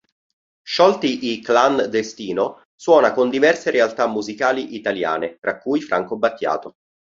Sciolti i Clan Destino, suona con diverse realtà musicali italiane, tra cui Franco Battiato.